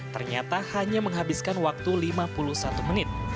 ternyata hanya menghabiskan waktu lima puluh satu menit